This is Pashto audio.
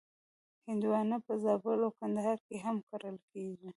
هندوانه په زابل او کندهار کې هم کرل کېږي.